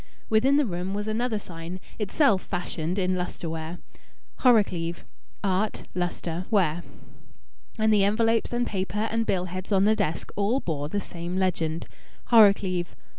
Within the room was another sign, itself fashioned in lustre ware: "Horrocleave. Art Lustre Ware." And the envelopes and paper and bill heads on the desk all bore the same legend: "Horrocleave.